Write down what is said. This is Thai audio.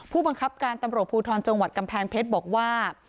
ผู้บังคับการตำรวจภูทรจังหวัดกำแพงเพชรบอกว่า